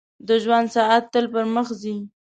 • د ژوند ساعت تل پر مخ ځي.